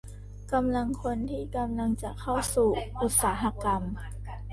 กำลังคนที่กำลังจะเข้าสู่อุตสาหกรรม